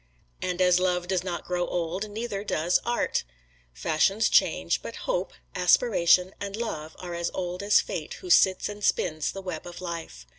And as love does not grow old, neither does Art. Fashions change, but hope, aspiration and love are as old as Fate who sits and spins the web of life.